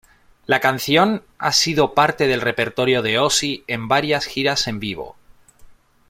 La canción ha sido parte del repertorio de Ozzy en varias giras en vivo.